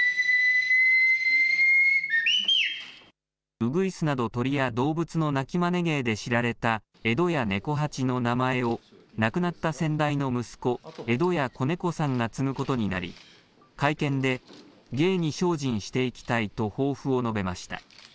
ウグイスなど鳥や動物の鳴きまね芸で知られた江戸家猫八の名前を、亡くなった先代の息子、江戸家小猫さんが継ぐことになり、会見で芸に精進していきたいと抱負を述べました。